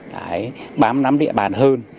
bám nắm địa bàn hơn